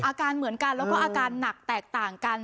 อาการเหมือนกันแล้วก็อาการหนักแตกต่างกัน